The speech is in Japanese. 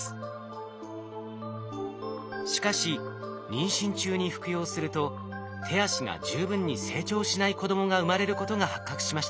しかし妊娠中に服用すると手足が十分に成長しない子供が産まれることが発覚しました。